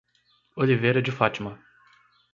Oliveira de Fátima